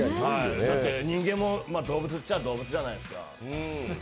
人間も動物っちゃあ動物じゃないですか。